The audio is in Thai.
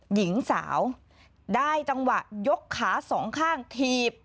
หญิงสาวได้จังหวะยกขาสองข้างถีบ